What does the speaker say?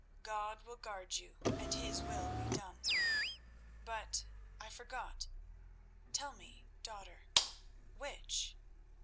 God will guard you, and His will be done. But I forgot. Tell me, daughter, which?"